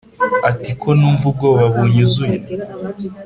ati"konumva ubwoba bunyuzuye